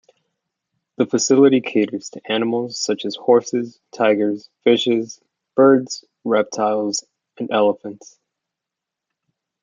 The facility caters to animals such as horses, tigers, fishes, birds, reptiles and elephants.